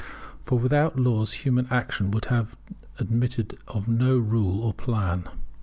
For without laws human action would have admitted of no rule or plan.